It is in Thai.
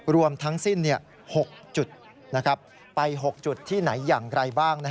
รวมทั้งสิ้น๖จุดไป๖จุดที่ไหนอย่างไรบ้าง